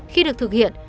khi được thực hiện